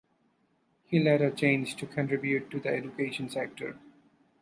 He later changed to contribute to the education sector.